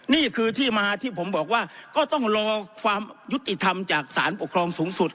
นี่คือที่มาที่ผมบอกว่าก็ต้องรอความยุติธรรมจากสารปกครองสูงสุด